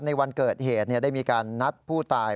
ในวันเกิดเหตุได้มีการนัดผู้ตาย